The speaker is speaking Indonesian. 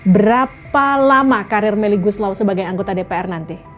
berapa lama karir meli guslau sebagai anggota dpr nanti